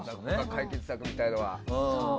解決策みたいなのは？